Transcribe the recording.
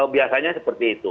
biasanya seperti itu